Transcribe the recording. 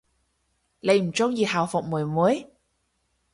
你唔鍾意校服妹妹？